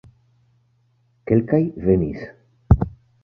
Kelkaj venis.